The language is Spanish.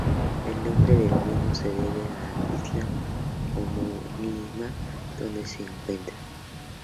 El nombre del mismo se debe a isla homónima donde se encuentra.